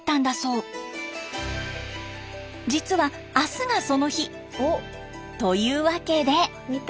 実は明日がその日というわけで。